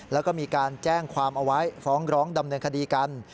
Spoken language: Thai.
แล้วก็มีการแจ้งความเอาไว้ฟ้องร้องดำเนินคดีกัน